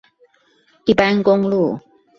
一般公路